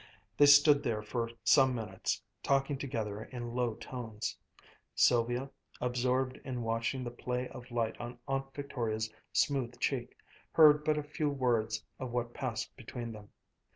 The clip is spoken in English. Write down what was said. They stood there for some minutes, talking together in low tones. Sylvia, absorbed in watching the play of light on Aunt Victoria's smooth cheek, heard but a few words of what passed between them.